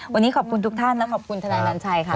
วันนี้ขอบคุณทุกท่านและขอบคุณทนายนัญชัยค่ะ